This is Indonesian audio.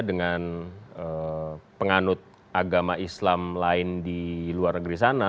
dengan penganut agama islam lain di luar negeri sana